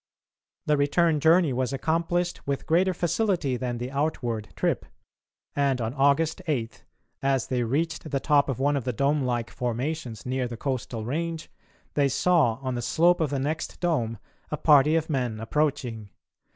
The return journey was accomplished with greater facility than the outward trip, and on August 8, as they reached the top of one of the dome like formations near the coastal range, they saw, on the slope of the next dome, a party of men approaching.